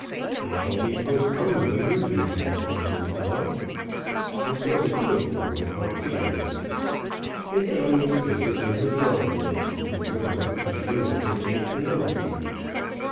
"They shall be postponed on your behalf, my dear fellow." And so the two went off together. They found Miss Baker in her drawing room, and with her Adela and aunt Penelope.